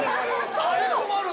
あれ困る。